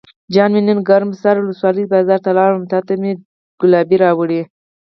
جان مې نن ګرم سر ولسوالۍ بازار ته لاړم او تاته مې ګلابي راوړې.